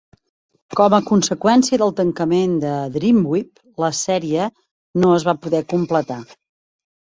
Com a conseqüència del tancament de Dreamwave, la sèrie no es va poder completar.